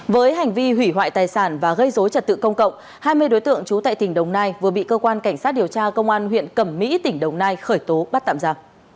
với hành vi hủy hoại tài sản và gây dối trật tự công cộng hai mươi đối tượng trú tại tỉnh đồng nai vừa bị cơ quan cảnh sát điều tra công an huyện cẩm mỹ tỉnh đồng nai khởi tố bắt tạm giả